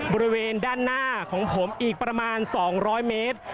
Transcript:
บริเวณด้านหน้าของผมอีกประมาณ๒๐๐เมตร